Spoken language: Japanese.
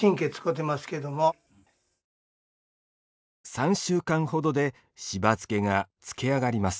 ３週間程でしば漬けが漬け上がります。